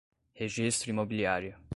registro imobiliário